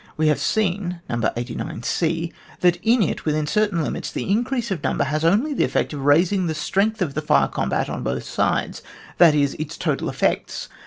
We have seen (No. 89c) that in it, within certain limits, the increase of number has only the effect of raising the strength of the fire combat on both sides ; that is, its total effects.